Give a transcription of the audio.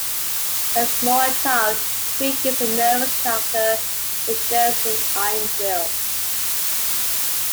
As a small child, Tweek is a nervous character, but shows an iron will.